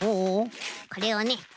これをね